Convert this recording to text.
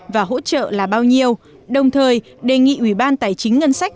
và hỗ trợ là bao nhiêu đồng thời đề nghị ủy ban tài chính ngân sách